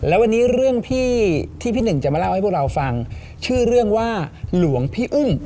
แล้ววันนี้เรื่องที่พี่หนึ่งจะมาเล่าให้พวกเราฟังชื่อเรื่องว่าหลวงพี่อึ้ง